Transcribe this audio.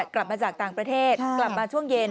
กลับมาจากต่างประเทศกลับมาช่วงเย็น